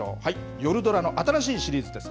夜ドラの新しいシリーズです。